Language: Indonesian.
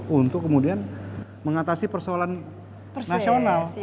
di bppt untuk kemudian mengatasi persoalan nasional